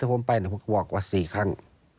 ผมจะบอกว่าสี่ครั้ง